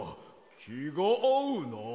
きがあうな。